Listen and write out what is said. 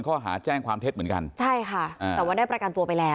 ข้อหาแจ้งความเท็จเหมือนกัน